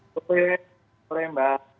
selamat sore mbak